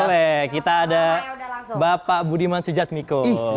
boleh kita ada bapak budiman sujatmiko